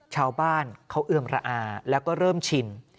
ชาวบ้านเขาเอือมระอาแล้วก็เริ่มชิน